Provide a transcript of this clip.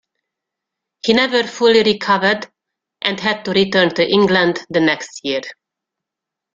He never fully recovered and had to return to England the next year.